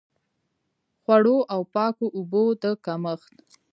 خوړو او پاکو اوبو د کمښت.